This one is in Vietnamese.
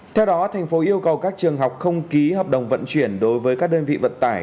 theo đó thành phố yêu cầu các trường học không ký hợp đồng vận chuyển đối với các đơn vị vận tải